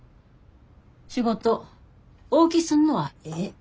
仕事大きすんのはええ。